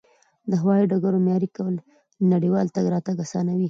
د هوایي ډګرونو معیاري کول نړیوال تګ راتګ اسانوي.